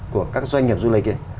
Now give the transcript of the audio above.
của các doanh nghiệp du lịch kia